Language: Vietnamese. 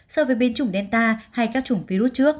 so với biến chủng delta hay các chủng virus trước